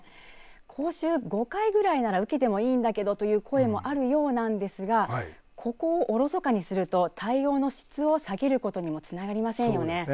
講習５回くらいなら受けてもいいんだけどという声もあるようなんですがここをおろそかにすると対応の質を下げることにもつながりませんよね。